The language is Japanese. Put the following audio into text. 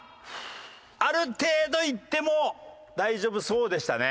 ある程度いっても大丈夫そうでしたね。